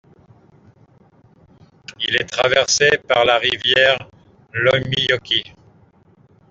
Il est traversé par la rivière Loimijoki.